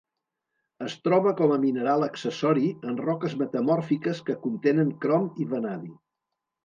Es troba com a mineral accessori en roques metamòrfiques que contenen crom i vanadi.